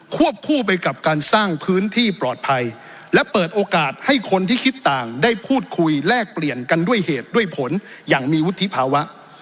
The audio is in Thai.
วบคู่ไปกับการสร้างพื้นที่ปลอดภัยและเปิดโอกาสให้คนที่คิดต่างได้พูดคุยแลกเปลี่ยนกันด้วยเหตุด้วยผลอย่างมีวุฒิภาวะ